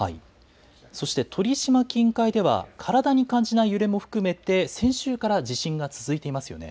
そして鳥島近海では体に感じない揺れも含めて先週から地震が続いていますよね。